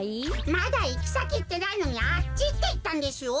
まだいきさきいってないのに「あっち」っていったんですよ。